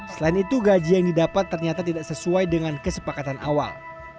selain itu gaji yang didapat ternyata tidak sesuai dengan kesepakatan awal